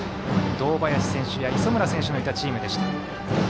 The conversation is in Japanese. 堂林選手や磯村選手がいた時でした。